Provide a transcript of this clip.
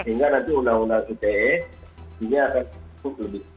sehingga nanti undang undang ite ini akan cukup lebih